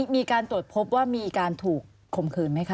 มีการตรวจพบว่ามีการถูกคมคืนไหมคะ